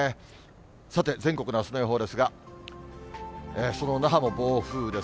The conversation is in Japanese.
さて、全国のあすの予報ですが、その那覇の暴風雨です。